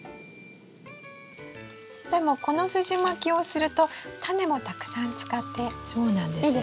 でもこのすじまきをするとタネもたくさん使っていいですね。